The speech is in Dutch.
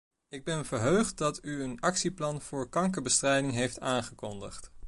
Ik ben verheugd dat u een actieplan voor kankerbestrijding heeft aangekondigd.